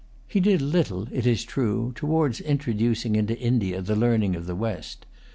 He did little, it is true, towards introducing into India the learning of the West.